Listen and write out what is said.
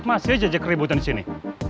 masih aja keributan disini